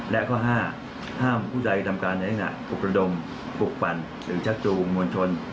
และข้อ๕ห้ามผู้ใดทำการในลักษณะปลุกระดมปลุกปั่นหรือชักจูงมวลชน